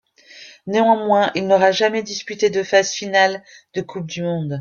Néanmoins il n'aura jamais disputé de phase finale de coupe du monde.